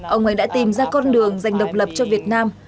ông ấy đã tìm ra con đường dành độc lập cho việt nam